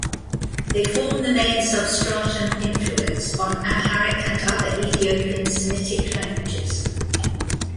They form the main substratum influence on Amharic and other Ethiopian Semitic languages.